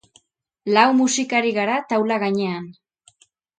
Lau musikari gara taula gainean.